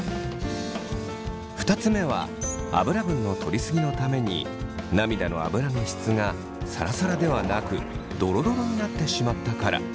２つ目は脂分の取り過ぎのために涙のアブラの質がサラサラではなくドロドロになってしまったから。